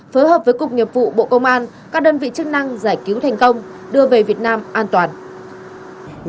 phối hợp với cục nghiệp vụ bộ công an các đơn vị chức năng giải cứu thành công đưa về việt nam an toàn